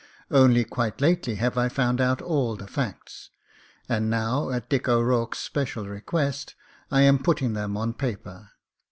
Only quite lately have I f otmd out all the facts, and now at Dick O'Rourke's special request I am putting them on pa per.